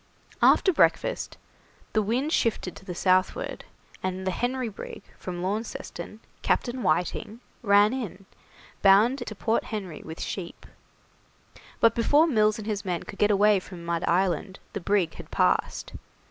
After breakfast the wind shifted to the southward, and the 'Henry' brig, from Launceston, Captain Whiting, ran in, bound to Point Henry with sheep; but before Mills and his men could get away from Mud Island the brig had passed.